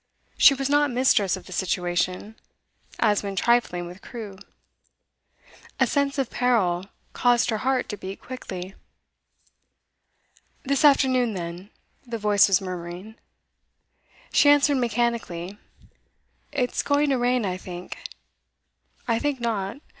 She was not mistress of the situation, as when trifling with Crewe. A sense of peril caused her heart to beat quickly. 'This afternoon, then,' the voice was murmuring. She answered mechanically. 'It's going to rain, I think.' 'I think not.